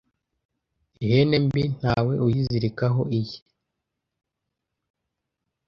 ihene mbi ntawe uyizirikaho iye